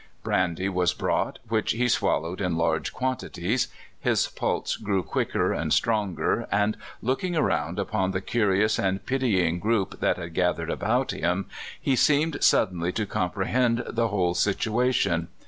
Brandy was brought, which he swallowed in large quanti ties; his pulse grew quicker and stronger, and, looking around upon the curious and pitying group that had gathered about him, he seemed suddenly to comprehend the whole situation.